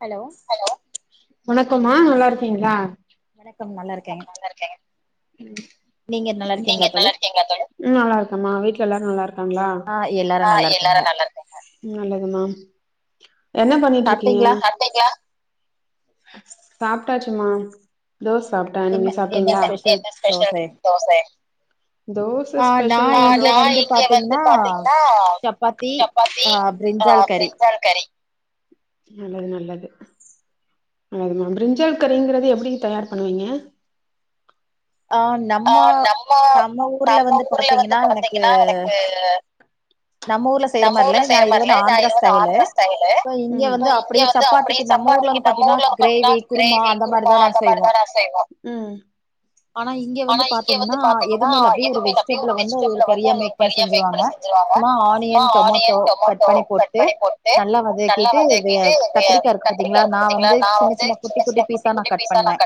hello வணக்கோமா நல்லா இருக்கீங்ளா வணக்கம் நல்லா இருக்கே ம் நல்லா இருக்கேமா வீட்ல எல்லாரு நல்லா இருக் காங்ளா நல்லது மா என்ன பண்ணிட்டு இருக்கீங்க சாப்ட்டாச்சு மா தோஸ் சாப்ட்டே நீங்க சாப்டீங்ளா அ ஆ நா இங்க வந்து பாத்தீங்னா சப்பாத்தி அப் ஆ ப்ரிஞ்ஜால் கறி நல்லது நல்லது அதுமா ப்ரிஞ்ஜால் கறிங்கிறது எப்டிங் தயார் பண்ணுவீங்க ஆ நம்ம நம்ம ஊர்ல வந்து பாத்தீங்கனா எனக்கு நம்ம ஊர்ல செய்ற மாரி இல்ல நா இது வந்து ஆந்திரா ஸ்டைல்லு சோ இங்கெ வந்து அப்டியே சப்பாத்திக்கு நம்ம ஊர்ல வந்து பாத்தீங்கனா கிரேவி குருமா அந்த மாரிதான செய்வோ ஆனா இங்க வந்து பாத்தீங்கனா எதுமே இல்ல அப்டியே ஒரு வெஜிடபிள வந்து அது ஒரு கறியா மேக் பண்ணி செஞ்சுருவாங்க மா ஆனியன் டொமோட்டோ கட் பண்ணி போட்டு நல்லா வதக்கிட்டு வே கத்திரிக்கா இருக்கு பாத்தீங்ளா நா வந்து சின்ன சின்ன குட்டி குட்டி பீஸா நா கட் பண்ணே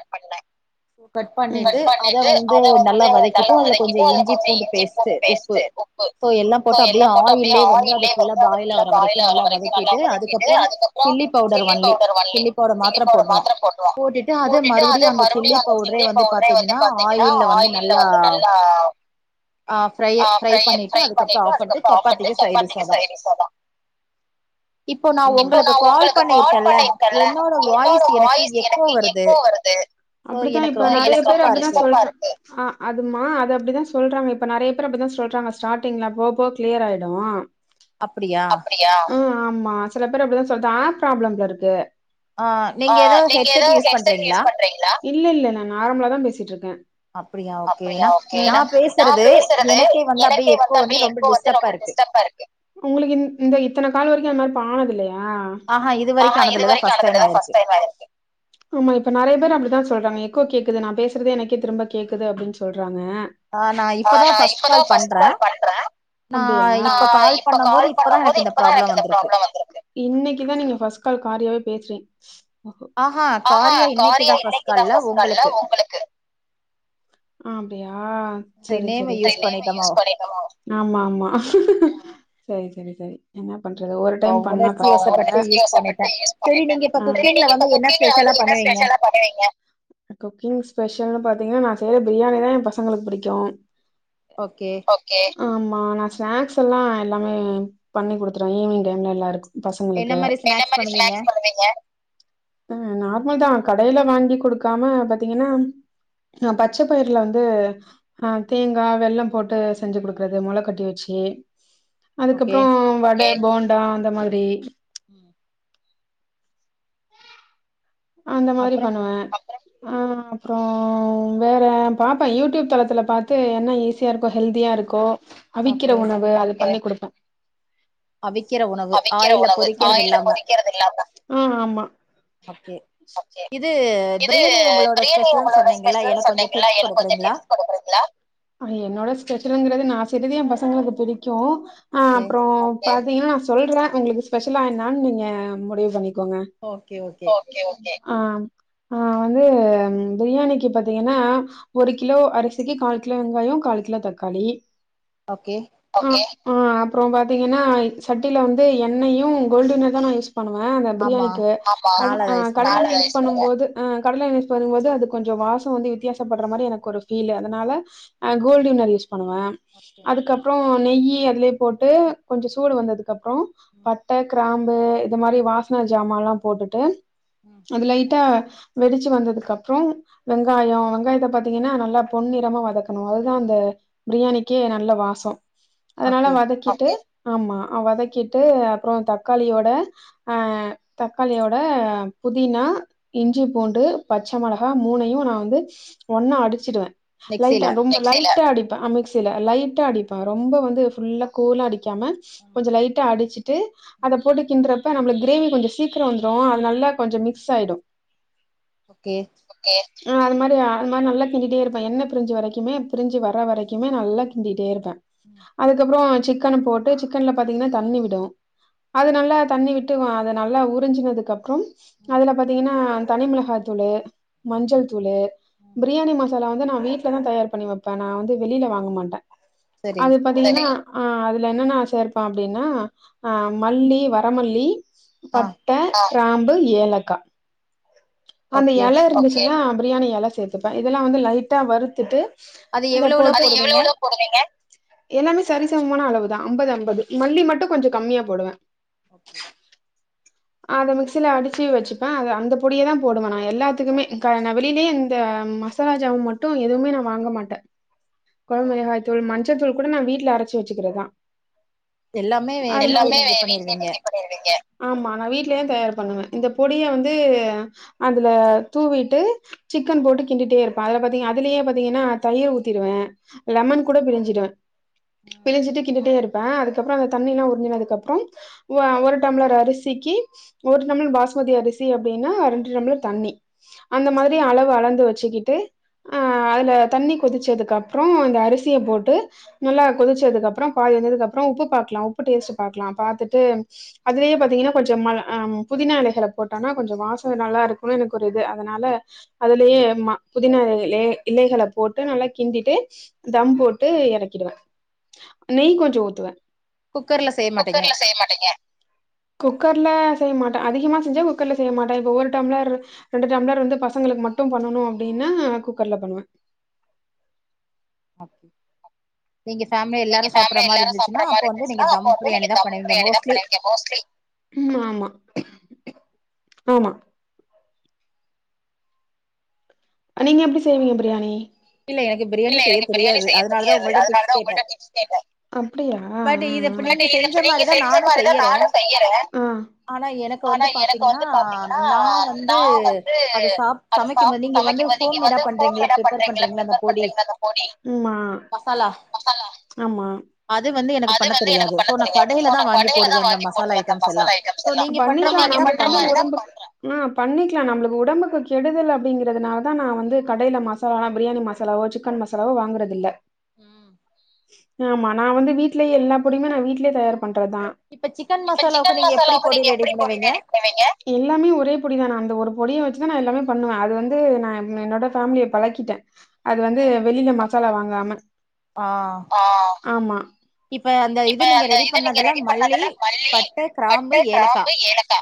கட் பண்ணிட்டு அ வந்து நல்லா வதக்கிட்டு அதுல கொஞ்ச இஞ்சி பூண்டு பேஸ்ட்டு உப்பு சோ எல்லா போட்டு அப்டியே ஆ ஆயில்லே வந்து அது ஃபுல்லா பாயில் ஆகுற வரைக்கு நல்லா வதக்கிட்டு அதுக்கப்றோ chilli powder only chilli powder மாத்திர போட்ருவோ போட்டுட்டு அது மறுபடியு அந்த சில்லி பவ்ட்ரே வந்து பாத்தீங்கனா ஆயில்ல வந்து நல்லா ஆ ஃப்ரைய ஃப்ரை பண்ணிட்டு அதுக்கப்ற ஆஃப் பண்ட்டு சப்பாத்திக்கு சைடீஸ் அதா இப்போ நா ஒங்களுக்கு கால் பண்ணிருக்கன்ல என்னோட வாய்ஸ் எனக்கே எக்கோ வருது சோ எனக்கு ரொம்ப டிஸ் ஆ அதுமா அது அப்டிதா சொல்றாங்க இப்ப நெறைய பேர் அப்டித்தா சொல்றாங்க ஸ்டார்டிங்ல போக போக கிளியர் ஆயிடு அப்டியா ஆமா சில பேரு அப்டித்தா சொல்றா ஆப் ப்ராப்ளம்ல இருக்கு ஆ நீங்க எது ஹெட்செட் யூஸ் பன்றீங்ளா இல்ல இல்ல நா நார்மலா தா பேசிட்டு இருக்கே அப்டியா ஓகே ஏனா நா பேசுறது எனக்கே வந்து அப்டியே எக்கோ வந்து ரொம்ப டிஸ்டப்பா இருக்கு உங்களுக்கு இந் இந்த இத்தன கால் வரைக்கு அந்த மாரி இப்ப ஆனதில்லயா ஆ ஆஹா இதுவரைக்கு ஆனதில்ல இதா ஃபஸ்ட் டைம் ஆய்ருக்கு ஆமா இப்ப நெறைய பேரு அப்டித்தா சொல்றாங்க எக்கோ கேக்குது நா பேசறதே எனக்கே திரும்ப கேக்குது அப்டின் சொல்றாங் க அ நா இப்ப தா ஃபஸ்ட் கால் பண்றே அப்டியா ஆ இப்ப கால் பண்ணும் போது இப்ப தா எனக் இந்த ப்ராப்ளம் வந்துருக்கு இன்னைக்கு தா நீங்க ஃபஸ்ட் கால் காரியாவே பேஸ்றீங் ஆஹா காரியா இன்னைக்குதா ஃபஸ்ட் கால்ல உங்களுக்கு அ அப்டியா செரி செரி எ நேம யூஸ் பண்ணிட்டனோ ஆமா ஆமா சேரி செரி செரி என்ன பண்றது ஒரு டைம் பண்ணா பரவால்ல உணர்ச்சிவசப்பட்டு யூஸ் பண்ணிட்ட அ செரி நீங்க இப்ப குக்கிங்ல வந்து என்ன ஸ்பெஷலா பண்ணுவீங்க எக்கு குக்கிங் ஸ்பெஷல்னு பாத்தீங்கன்னா நா செய்யர் பிரியாணி தா எம்பசங்களுக் பிடிக்கு [inaudible] ஓகே ஆமா நா ஸ்நாக்ஸ் எல்லா எல்லாமே பண்ணி குடுத்துருவே ஈவினிங் டைம்ல எல்லாருக்கு பங்களுக்கு என்ன மாரி ஸ்நாக்ஸ் பண்ணுவீங்க ம் நார் மல் தா கடைல வாங்கி குடுக்காம பாத்தீங்கன்னா நா பச்ச பயிர்ல வந்து அ தேங்கா வெல்லம் போட்டு செஞ்சு குடுக்கறது மொள கட்டி வெச்சி அதுக்கப்றோ வடே போண்டா அந்த மாதிரி அந்த மாரி பண்ணுவே அப்பறோ ஆ அப்றோ வேற பாப்பே யூடியூப் தளத்துல பாத்து என்ன ஈஸியா இருக்கோ ஹெல்தியா இருக்கோ அவிக்கிற உணவு அது பண்ணி குடுப்பே அவிக்கிற உணவு ஆயில்ல பொறிக்கறதில்லமா ஆ ஆமா ஓகே சப்ஜே இது பிரியாணி உங்களோட ஸ்பெஷல் சொன்னீங்கல்ல எனக்கு கொஞ்சோ டிப்ஸ் குடுக்கறீங்ளா அ என்னோட ஸ்பெஷலுங்றது நா செறது எம்பசங்களுக்கு பிடிக்கு அ அப்றோ பாத்தீங்னா சொல்றே உங்களுக்கு ஸ்பெஷலா என்னான் நீங்க முடிவு பண்ணி ஓகே ஓகே ஓகே ஆ ஆ வந்து பிரியாணிக்கு பாத்தீங்கன்னா ஒரு கிலோ அரிசிக்கு கால் கிலோ வெங்காயோ கால் கிலோ தக்காளி ஓகே ஆ அப்றோ பாத்தீங்கன்னா சட்டில வந்து எண்ணயு கோல்டு வின்னர் தா நா யூஸ் பண்ணுவே அந்த பிரியாணிக்கு ஆல் அ கடலெண்ண யூஸ் பண்ணும் போது அ கடலெண்ண யூஸ் பண்ணும் போது அது கொஞ்சோ வாசோ வந்து வித்தியாசப்பட்ற மாரி எனக்கு ஒரு ஃபீலு அதனால அ கோல்டு வின்னர் யூஸ் பண்வே அதுக்கப்றோ நெய்யி அதுலே போட்டு கொஞ்சோ சூடு வந்ததுக் கப்றோ பட்ட, கிராம்பு இது மாரி வாஸ்ன ஜாமால்லா போட்டுட்டு அது லைட்டா வெடிச்சு வந்ததுக்கப்றோ வெங்காயோ வெங்காயத்த பாத்தீங்கன்னா நல்லா பொன்னிறமா வதக்கணு அதுதா அந் த பிரியாணிக்கே நல்ல வாசோ அத நல்லா வதக்கிட்டு ஆம்மா அ வதக்கிட்டு அப்றோ தக்காளியோட அ தக்காளியோட புதினா, இஞ்சி, பூண்டு, பச்ச மெளஹா மூனயு நா வந்து ஒன்னா அடிச்சிடுவே லைட்டா ரொம்ப லைட்டா அடிப்பே அ மிக்சில லைட்டா அடிப்பே ரொம்ப வந்து ஃபுல்லா கோலா அடி க்காம கொஞ்ச லைட்டா அடிச்சிட்டு அத போட்டு கின்றப் ப நம்ளுக் கிரேவி கொஞ்சோ சீக்கரோ வந்துரு அது நல்லா கொஞ்சோ மிக்ஸ் ஆயிடு ஓகே ஆ அது மாரி அது மாரி நல்லா கிண்டிட்டே இருப்பே எண்ண ப்ரிஞ்சு வரைக்குமே ப்ரிஞ்சு வர வரைக்குமே நல்லா கிண்டிட்டே இருப்பே அதுக்கப்றோ சிக்கன போட்டு சிக்கன்ல பாத்தீங்கன்னா தண்ணி விடு அது நல்லா தண்ணி விட்டு வ அத நல்லா உறிஞ்சினதுக்கப்றம் அதுல பாத்தீங்கன்னா தனி மிளஹா தூளு, மஞ்சள் தூளு, பிரியாணி ம அத நா வந்து நா வீட்ல தா தயார் பண்ணி வப்பே நா வந்து வெளில வாங்க மாட்டே அது பாத்தீங்கன்னா ஆ அதுல என்னன்ன சேர்ப்பே அப்டின்னா ஆ மல்லி வரமல்லி பட்ட கிராம்பு ஏலக்கா அந்த இல இருந்துச்சின்னா பிரியாணி இல சேர்த்துப்பே இதெல்லா வந்து லைட்டா வறுத்துட்டு அத போட்டு எல்லாமே சரிசமமான அளவுதா ஐம்பது ஐம்பது மல்லி மட்டு கொஞ்சோ கம்மியா போடுவே ஓகே அத மிக்சில அடிச்சி வச்சிப்பே அத அந்த பொடிய தா போடுவே நா எல்லாத்துக்குமே கா நா வெளிலயே இந்த மசாலாஜாம மட்டு எதுவுமே நா வாங்க மாட்டே கொழம்பு மெளகாய் தூள் மஞ்ச தூள் கூட நா வீட்ல அரச்சி வச்சிக்கிறதா எல்லாமே வீட்லயே ரெடி பண்ணிடுவீங்க வீட்லயே தயார் பண்ணுவே இந்த பொடிய வந்து அதுல தூவீட்டு சிக்கன் போட்டு கிண்டிட்டே இருப்பே அதுல பாத்தீங் அதுலயே பாத்தீங்கன்னா தயிர் ஊத்தீருவே லெமன் கூட பிழிஞ்சிடுவே பிழிஞ்சிட்டு கின்டிட்டே இருப்பே அதுக்கப்றோ அந்த தண்ணில்லா உறிஞ்சினதுக்கு அப்றோ ஆ ஒரு டம்ளர் அரிசி சிக்கி ஒரு டம்ளர் பாஸ்மதி அரிசி அப்டின்னா ரெண்டு டம்ளர் தண்ணி அந்த மாதிரி அளவு அளந்து வச்சிக்கிட்டு ஆ அதுல தண்ணி கொதிச்சதுக்கு அப்றோ அந்த அரிசிய போட்டு நல்லா கொதிச்சதுக்கப்றோ பால் வெந்ததுக்கப்றோ உப்பு பாக்கலா உப்பு டேஸ்ட் பாக்கலா பாத்துட்டு அதுலயே பாத்தீங்கன்னா கொஞ்சோ மல் ஆ புதினா இலைகள போட்டோன்னா கொஞ்சோ வாசோ நல்லா இருக்குன்னு எனக்கு ஒரு இது அதனால அதுலயே மா புதினா ஏ இலைகள போட்டு நல்லா கிண்டிட்டு தம் போட்டு எறக்கிடுவே நெய் கொஞ்சோ ஊத்துவே குக்கர்ல செய்ய மாட்டே அதிகமா செஞ்சா குக்கர்ல செய்ய மாட்டே இப்ப ஒரு டம்ளர் ரெண்டு டம்ளர் வந்து பசங்களுக்கு மட்டும் பண்ணனு அப்டின்னா குக்கர்ல பண்ணுவே ஓகே நீங்க ஃபேமிலியா எல்லாரு சாப்ட்ற மாரி இருந்துச்சின்னா அப்ப வந்து நீங்க தம் பிரியாணி தா பண்ணுவீங்க மோஸ்ட்லி ம் ஆமா ஆமா நீங்க எப்டி செய்வீங்க பிரியாணி இல்ல எனக்கு பிரியாணி செய்ய தெரியாது அதனால தா உங்ககிட்ட டிப்ஸ் கேட்டே பட் இது இப்ப நீங்க செஞ்ச மாரிதா நானு செய்யறே ஆனா எனக்கு வந்து பாத்தீங்கன்னா நா வந்து அத சாப் சமைக்கும் போது இங்க வந்து ஹோம் மேடா பண்றீங்கள்ல பிரிப்பேர் பண்றீங்க அந்த பொடி மசாலா அது வந்து எனக்கு பண்ண தெரியாது சோ நா கடேல தா வாங்கி போடுவே அந்த மசாலா ஐட்டம்ஸ் எல்லா நமக்கான உடம்புக்கு ஆ பண்ணிக்கலா நம்மளுக்கு உடம்புக்கு கெடுதல் அப்டிங்கிறதுனால தா நா வந்து கடேல மசாலாலா பிரியாணி மசாலாவோ சிக்கன் மசாலாவோ வாங்குறது இல்ல ம் ஆமா நா வந்து வீட்லயே எல்லா பொடியுமே நா வீட்லயே தயார் பண்றதுதா இப்ப சிக்கன் மசாலாவுக்கு நீங்க எப்டி பொடி ரெடி பண்ணுவீங்க அதா நா எல்லாமே பண்ணுவே அது வந்து நா என்னோட ஃபேமிலிய பழக்கீட்டே அது வந்து வெளில மசாலா வாங்காம ஆமா இப்ப அந்த இது நீங்க ரெடி பண்ணதுல மல்லி பட்ட கிராம்பு ஏலக்கா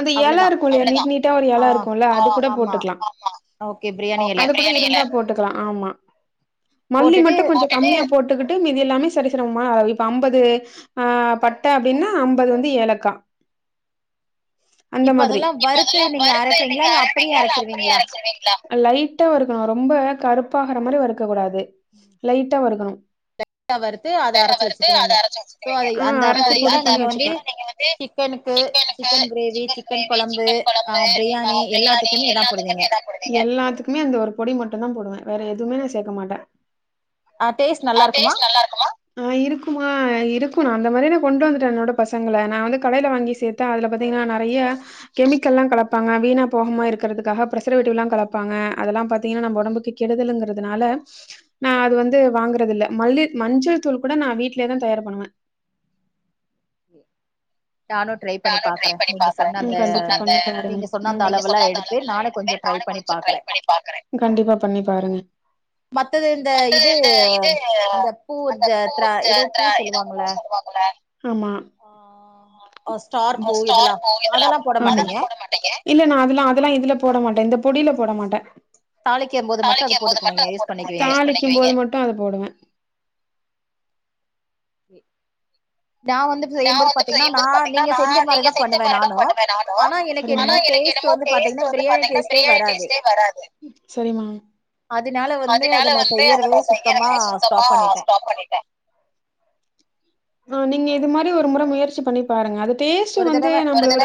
அந்த எல இருக்கும்ல நீட் நீட்டா ஒரு எல இருக்கும்ல அது கூட போட்டுக்கலா ஓகே பிரியாணிஎல போட்டுக்கலா ஆமா மல்லி மட்டு கொஞ்சோ கம்மியா போட்டுக்கிட்டு மீதி எல்லாமே சரி ச மமான அளவு இப்ப ஐம்பது ஆ பட்ட அப்டின்னா ஐம்பது வந்து ஏலக்கா [inaudible] அந்த மாதிரி லைட்டா வறுக்கணு ரொம்ப கருப்பாகற மாரி வருக்கக்கூடாது லைட்டா வறுக்கணு லைட்டா வறுத் துட்டு அத அரைச்சி வச்சுக்குவீங்க சோ அத அந்த பொடிய தா நீங்க வந்து சிக்கனுக்கு சிக்கன் கிரேவி சிக்கன் கொழம்பு ஆ பிரியாணி எல்லாத்துக்குமே இதா போடுவீங்க இந்த ஒரு பொடி மட்டுந்தா போடுவே வேற எதுவுமே நா சேக்க மாட்டே ஆ இருக்குமா ஆ இருக்கு நா அந்த மாரி நா கொண்டு வந்துட்டே என்னோட பசங்கள நா வந்து கடைல வாங்கி சேர்த்த அதுல பாத்திங்க னா நெறைய கெமிக்கல்லா கலப்பாங்க வீணா போகமா இருக்கிறதுக்காக பிரெசரவேட்டிவ்லா கலப் பாங்க அதெல்லா பாத்தீங்கனா நம்ப ஒடம்புக்கு கெடுதலுங்கிறதுனால நா அது வந்து வாங்குறதில்ல மல்லி மஞ்சள் தூள் கூட நா வீட்லே தா தயார் பண்ணுவே ஏ நானு ட்ரை பண்ணி பாக்குறே நீங்க சொன்ன அந்த நீங்க சொன்ன அந்த அளவுலா எடுத்து நானு கொஞ்ச ட்ரை கண்டிப்பா பண்ணி பாருங்க மத்தது இந்த இது அந்த பூ ஜத்ரா எதோ பூ செல்லுவாங் ஆமா ஆ இல்ல நா அதுலா அதுலா இதுல போட மாட்டே இந்த பொடில போட மாட்டே தாளிக்கும் போது மட்டு அத போடுவே ஏ நா வந்துட்டு செய்யும்போது பாத்தீங்னா நா நீங்க செஞ்ச மாரிதா பண்ணுவே நானு ஆனா எனக்கு என்னமோ டேஸ்ட் என்னமோ டேஸ்ட் வந்து பாத்தீங்னா பிரியாணி டேஸ்டே வராது அதுனால வந்து அத நா செய்யறதே சுத்தமா ஸ்டாப் பண்ணிட்டே ஆ நீங்க இது மாரி ஒரு முற முயற்சி பண்ணி பாருங்க அது டேஸ்ட்டு வந்து நம்மளோட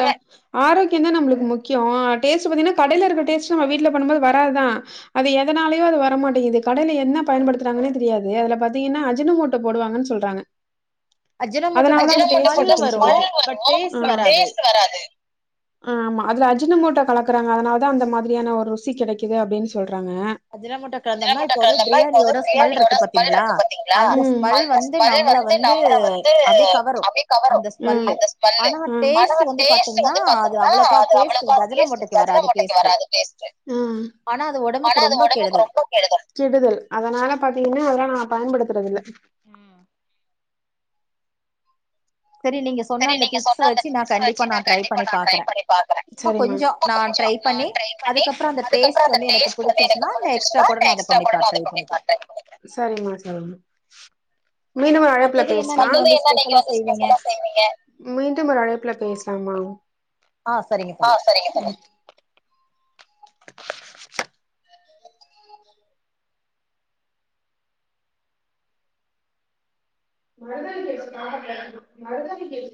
ஆரோக்கியந்தா நம்மளுக்கு முக் கியோ டேஸ்ட்டு பாத்தீங்கனா கடைல இருக்க டேஸ்ட்டு வீட்ல பண்ணும்போது வராது தா அது எதனாலயோ அது வ வர மாட்டிங்குது கடைல என்ன பயன்படுத்துறாங்கனே தெரியாது அதுல பாத்தீங்கனா அஜினமோட்டோ போடுவாங்கன் சொல்றாங்க அதுனால இந்த டேஸ்ட் வந்துச்சுன்னு சொல்லிட்டு ஆ ஆ ஆமா அதுல அஜ் ஜினமோட்டோ கலக்குறாங்க அதனாலதா அந்த மாதிரியான ஒரு ருசி கெடைக்குது அப்டின் சொல்றாங்க அஜினமோட்டோ கலந்தம்னா இப்ப வந்து பிரியாணியோட ஸ்மெல் இருக்கு பாத்தீங்ளா அந்த ஸ்மெல் வந்து நம்மள வந்து அப்டியே கவரு ம் அந்த ஸ்மெல்லு ஆ ஆனா டேஸ்ட்டு வந்து பாத்தீங்கனா அது அவ்வலோக்கா டேஸ்ட்டு அஜ்னோ மோட்டாக்கி வராது் டேஸ்ட்டு ம் ஆனா அது ஒடம்புக்கு ரொம்ப கெடுதல் கெடுதல் கெடுதல் அதனால பாத்தீங்னா அதுலா நா பயன்படுத்துறதில்ல ம் செரி நீங்க சொன்ன அந்த டிப்ஸ வச்சி நா கண்டிப்பா நா ட்ரை பண்ணி பாக்குறே செரிமா உப்பு கொஞ்சொ நா ட்ரை பண்ணி அதுக்கப்ற அந்த டேஸ்ட் வந்து எனக்கு புடிச்சிருச்சுனா நா எக்ஸ்ட்ரா கூட நா வந்து பண்ணி பாப்பே சரிமா சரிமா மீண்டும் ஒரு அழைப்புக் பேசலா மீண்டும் ஒரு அழைப்புல பேசலாமா மருதானி [unintelligible] மருதானி கேட்டு